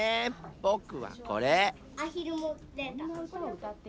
ぼくはこれ。